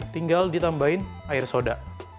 tinggal ditambahin air soda